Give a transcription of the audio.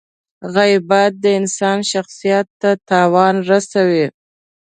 • غیبت د انسان شخصیت ته تاوان رسوي.